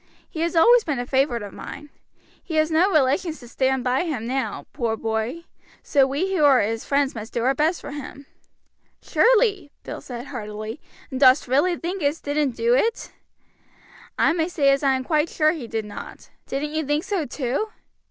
He has always been a favorite of mine. He has no relations to stand by him now, poor boy, so we who are his friends must do our best for him." "Surely," Bill said heartily; "and dost really think as he didn't do it?" "I may say I am quite sure he did not, Bill. Didn't you think so too?"